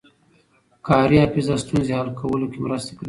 کاري حافظه ستونزې حل کولو کې مرسته کوي.